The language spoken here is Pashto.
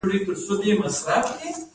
مقرره د څه لپاره جوړیږي؟